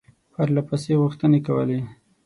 پرله پسې غوښتني کولې.